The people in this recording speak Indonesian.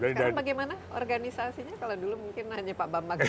sekarang bagaimana organisasinya kalau dulu mungkin hanya pak bambang